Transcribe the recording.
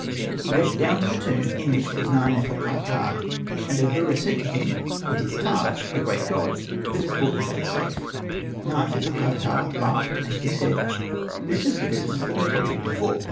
He went down to the tomb in which was Na.nefer.ka.ptah. And Ahura said to him, ''It is Ptah, the great god, that has brought you back safe." Na. nefer.ka.ptah laughed, and he said, '' This is the business that I told you before."